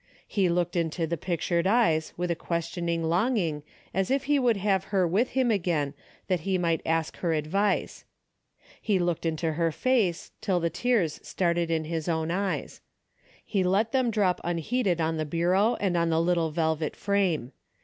He looked into the pictured eyes with a questioning longing as if he would have her with him again that he might ask her advice. He looked into her face till the tears started in his own eyes. He let them drop unheeded on the bureau and on the little velvet frame.